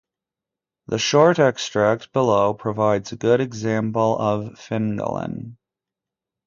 The short extract below provides a good example of Fingallian.